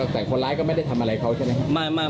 แต่คนร้ายก็ไม่ได้ทำอะไรเขาใช่ไหมครับ